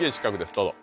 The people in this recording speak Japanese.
どうぞ。